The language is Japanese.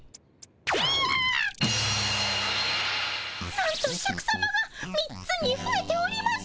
なんとシャクさまが３つにふえております。